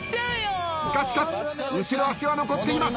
がしかし後ろ足は残っています。